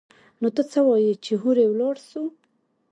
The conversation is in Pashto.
نو ته څه وايي چې هورې ولاړ سو.